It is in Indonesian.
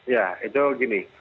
ya itu gini